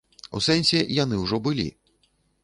У сэнсе, яны ўжо былі.